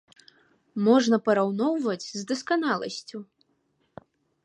Можна параўноўваць з дасканаласцю.